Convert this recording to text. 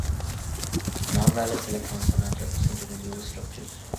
Non-valence electrons are not represented in Lewis structures.